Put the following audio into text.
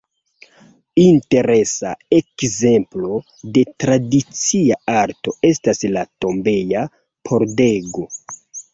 Interesa ekzemplo de tradicia arto estas la tombeja pordego.